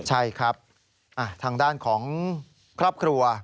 ใช่ครับทางด้านของครอบครัว